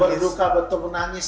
kalau berduka betul menangis